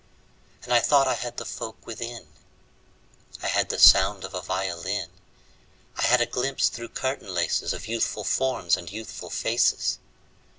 And I thought I had the folk within: I had the sound of a violin; I had a glimpse through curtain laces Of youthful forms and youthful faces.